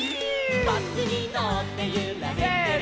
「バスにのってゆられてる」せの！